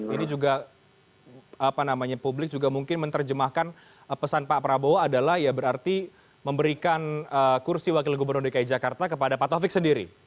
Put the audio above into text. ini juga apa namanya publik juga mungkin menerjemahkan pesan pak prabowo adalah ya berarti memberikan kursi wakil gubernur dki jakarta kepada pak taufik sendiri